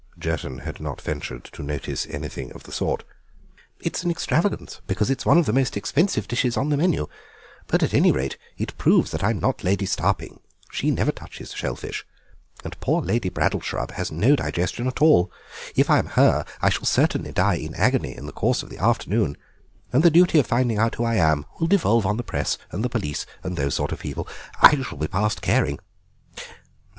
Jerton had not ventured to notice anything of the sort. "It's an extravagance, because it's one of the most expensive dishes on the menu, but at any rate it proves that I'm not Lady Starping; she never touches shell fish, and poor Lady Braddleshrub has no digestion at all; if I am her I shall certainly die in agony in the course of the afternoon, and the duty of finding out who I am will devolve on the press and the police and those sort of people; I shall be past caring.